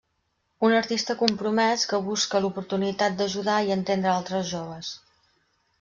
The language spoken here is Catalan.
Un artista compromès que busca l'oportunitat d'ajudar i entendre a altres joves.